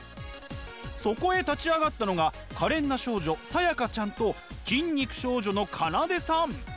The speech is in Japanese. そこへ立ち上がったのが可憐な少女さやかちゃんと筋肉少女の奏さん。